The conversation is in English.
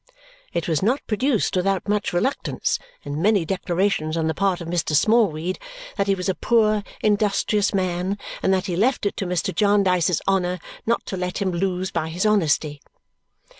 It was not produced without much reluctance and many declarations on the part of Mr. Smallweed that he was a poor industrious man and that he left it to Mr. Jarndyce's honour not to let him lose by his honesty.